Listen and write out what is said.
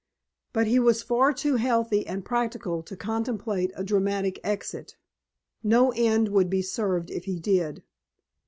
But he was far too healthy and practical to contemplate a dramatic exit. No end would be served if he did.